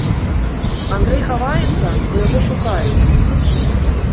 Андрэй хаваецца, бо яго шукаюць.